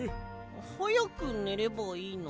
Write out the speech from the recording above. はやくねればいいの？